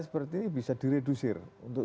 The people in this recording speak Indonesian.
seperti ini bisa diredusir untuk